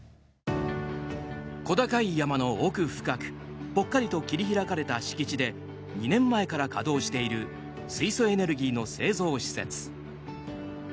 小高い山の奥深くぽっかりと切り開かれた敷地で２年前から稼働している水素エネルギーの製造施設。